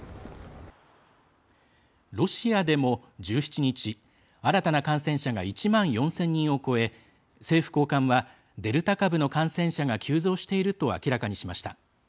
ロシアでも、１７日新たな感染者が１万４０００人を超え政府高官はデルタ株の感染者が急増していると明らかにしました。